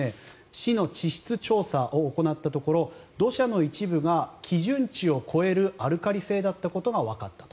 市の地質調査を行ったところ土砂の一部が基準値を超えるアルカリ性だったことがわかったと。